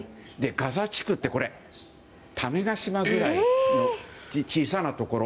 ガザ地区は種子島ぐらい小さなところ。